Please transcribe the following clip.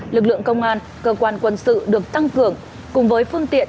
lực lượng công an cơ quan quân sự được tăng cường cùng với phương tiện